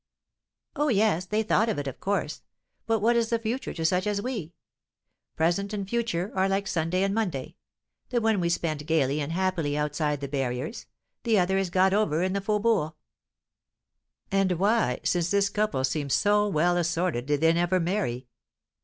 "Oh, yes, they thought of it, of course; but what is the future to such as we? Present and future are like Sunday and Monday; the one we spend gaily and happily outside the barriers, the other is got over in the faubourgs." "And why, since this couple seemed so well assorted, did they never marry?"